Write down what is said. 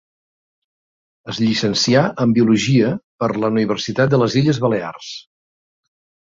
Es llicencià en biologia per la Universitat de les Illes Balears.